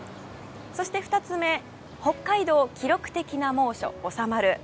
そして２つ目北海道、記録的な猛暑収まる。